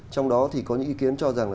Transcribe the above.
trong đó có những ý kiến cho rằng